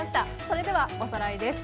それではおさらいです。